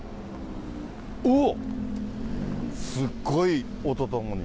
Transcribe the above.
おー、すごい音とともに。